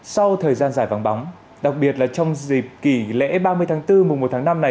sau thời gian dài vắng bóng đặc biệt là trong dịp kỷ lễ ba mươi tháng bốn mùa một tháng năm này